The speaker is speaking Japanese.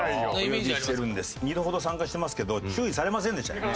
２度ほど参加してますけど注意されませんでしたよね？